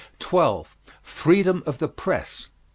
12. FREEDOM OF THE PRESS.